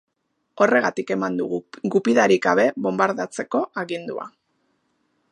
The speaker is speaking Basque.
Horregatik eman du gupidarik gabe bonbardatzeko agindua.